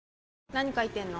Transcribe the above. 何書いてんの？